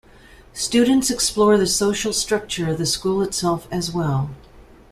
Students explore the social structure of the school itself as well.